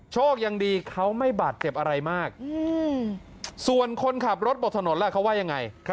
โชคดีเขาไม่บาดเจ็บอะไรมากส่วนคนขับรถบนถนนล่ะเขาว่ายังไง